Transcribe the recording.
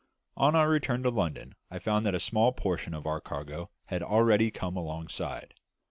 On my return to London, I found that a small portion of our cargo had already come alongside.